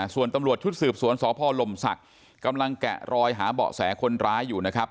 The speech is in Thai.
ส่วนตำรวจชุดสืบสวนสพลมศักดิ์กำลังแกะรอยหาเบาะแสคนร้ายอยู่นะครับ